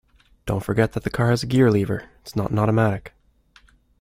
Don't forget that the car has a gear lever; it's not an automatic